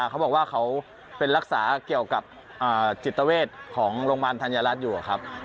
เขาบอกว่าเขาเป็นรักษาเกี่ยวกับจิตเวชของโรงพยาบาลธัญรัฐอยู่ครับ